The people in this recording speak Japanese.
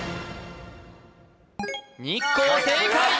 日光正解！